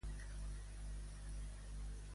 Què ha ocorregut per primera vegada a Madrid?